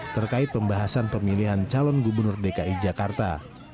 terkait pembahasan pemilihan calon gubernur dki jakarta